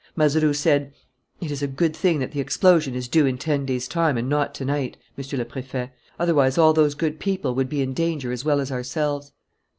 Mazeroux said: "It is a good thing that the explosion is due in ten days' time and not to night, Monsieur le Préfet; otherwise, all those good people would be in danger as well as ourselves."